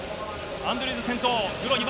アンドリューズ先頭。